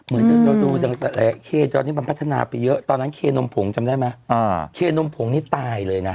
เมินดูแหละเคก็มันปัฒนาไปเยอะตอนนั้นเคนมพงศ์จำได้ไหม